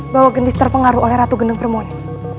bahwa gendis terpengaruh oleh ratu gendeng permoni